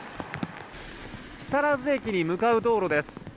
木更津駅に向かう道路です。